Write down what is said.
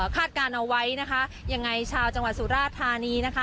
การเอาไว้นะคะยังไงชาวจังหวัดสุราธานีนะคะ